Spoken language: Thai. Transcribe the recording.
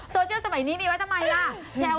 โซเชียลสมัยนี้มีไว้ทำไมล่ะ